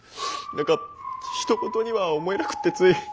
何かひと事には思えなくてつい。